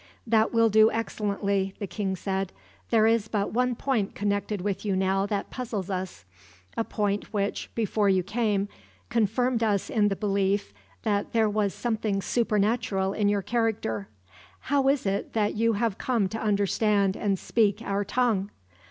'" "That will do excellently," the king said. "There is but one point connected with you now that puzzles us a point which, before you came, confirmed us in the belief that there was something supernatural in your character: How is it that you have come to understand and speak our tongue?"